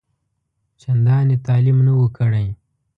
چنداني تعلیم نه وو کړی.